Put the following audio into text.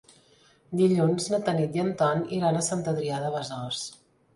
Dilluns na Tanit i en Ton iran a Sant Adrià de Besòs.